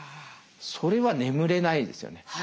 それは眠れないですよね。